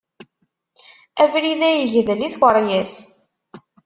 Abrid-a yegdel i tkeryas.